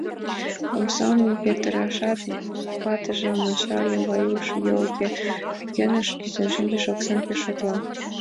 Омсам петырышат, ватыжым ончале: Лаюш йолге пӱкеныш кӱзен шинчын, оксам пеш шотла.